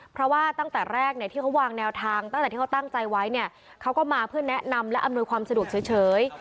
เพราะว่าตั้งแต่แรกเนี่ยที่เขาวางแนวทางตั้งแต่ที่เขาตั้งใจไว้เนี่ยเขาก็มาเพื่อแนะนำและอำนวยความสะดวกเฉย